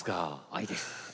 愛です。